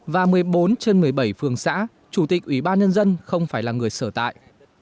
và một mươi bốn trên một mươi bảy phường xã chủ tịch ủy ban nhân dân không phải là người sở tại